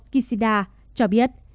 kishida cho biết